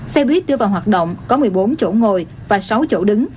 xe buýt đưa vào hoạt động có một mươi bốn chỗ ngồi và sáu chỗ đứng